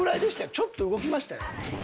ちょっと動きましたよ